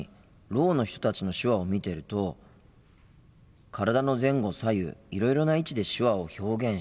ろうの人たちの手話を見てると体の前後左右いろいろな位置で手話を表現してるもんなあ。